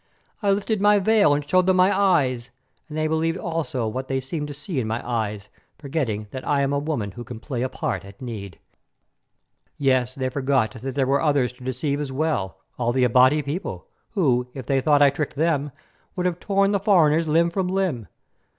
I lifted my veil, and showed them my eyes, and they believed also what they seemed to see in my eyes, forgetting that I am a woman who can play a part at need. Yes, they forgot that there were others to deceive as well, all the Abati people, who, if they thought I tricked them, would have torn the foreigners limb from limb.